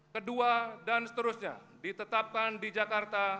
kedua dan seterusnya ditetapkan di jakarta